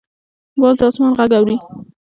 باز د اسمان غږ اوري